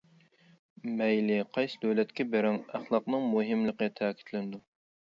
مەيلى قايسى دۆلەتكە بىرىڭ ئەخلاقنىڭ مۇھىملىقى تەكىتلىنىدۇ.